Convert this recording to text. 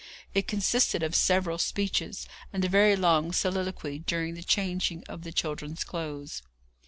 It consisted of several speeches, and a very long soliloquy during the changing of the children's clothes.